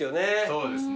そうですね。